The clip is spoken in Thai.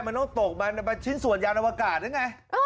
มันต้องตกมาชิ้นส่วนยานอวกาศหรือไง